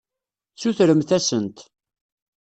Sutremt-asent.